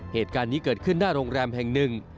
เหตุการณ์นี้เกิดขึ้นหน้าโรงแรมแห่งหนึ่ง